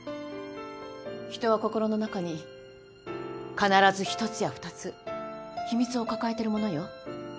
人は心の中に必ず１つや２つ秘密を抱えてるものよ。